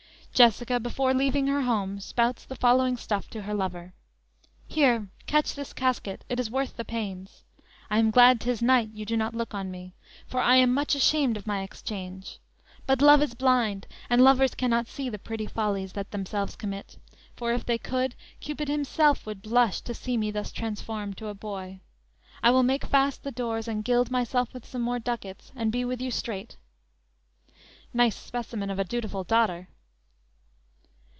"_ Jessica before leaving her home spouts the following stuff to her lover: _"Here, catch this casket, it is worth the pains; I am glad 'tis night, you do not look on me; For I am much ashamed of my exchange; But love is blind, and lovers cannot see The pretty follies that themselves commit; For if they could, Cupid himself would blush To see me thus transformed to a boy. I will make fast the doors, and gild myself With some more ducats, and be with you straight!"_ Nice specimen of a dutiful daughter.